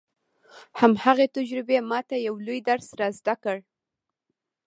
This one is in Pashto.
هماغې تجربې ما ته يو لوی درس را زده کړ.